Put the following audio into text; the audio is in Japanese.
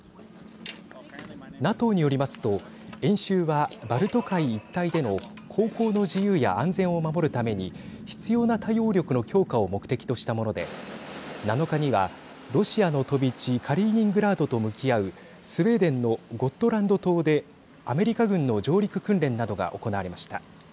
ＮＡＴＯによりますと演習はバルト海一帯での航行の自由や安全を守るために必要な対応力の強化を目的としたもので７日にはロシアの飛び地カリーニングラードと向き合うスウェーデンのゴットランド島でアメリカ軍の上陸訓練などが行われました。